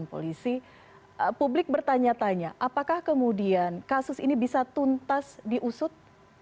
polisi publik bertanya tanya apakah kemudian kasus ini bisa tuntas diusut